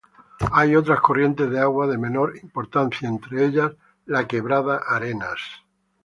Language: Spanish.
Hay otras corrientes de agua de menor importancia, entre ellas la Quebrada Arenas.